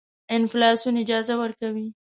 انفلاسیون اجازه ورکوي.